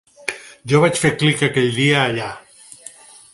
Jo vaig fer clic aquell dia, allà.